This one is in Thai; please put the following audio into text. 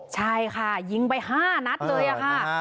ใช่ค่ะยิงไป๕นัดเลยค่ะ